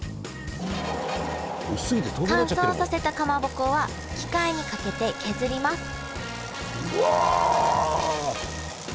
乾燥させたかまぼこは機械にかけて削りますうわ。